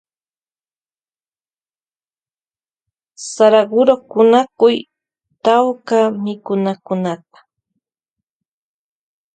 Saraguro kunakuy tawka mikunakunata.